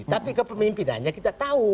tapi kepemimpinannya kita tahu